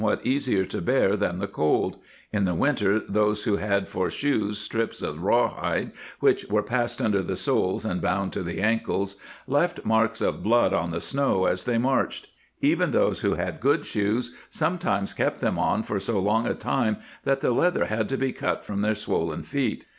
204 ] The Army in Motion easier to bear than the cold; in the winter those who had for shoes strips of rawhide (which were passed under the soles and bound to the ankles)^ left marks of blood on the snow as they marched.* Even those who had good shoes, sometimes kept them on for so long a time that the leather had to be cut from their swollen feet.